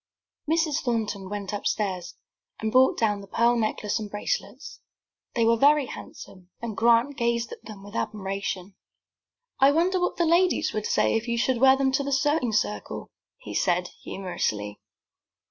Mrs. Thornton went upstairs, and brought down the pearl necklace and bracelets. They were very handsome and Grant gazed at them with admiration. "I wonder what the ladies would say if you should wear them to the sewing circle," he said, humorously.